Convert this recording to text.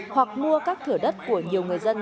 hoặc mua các thửa đất của nhiều người dân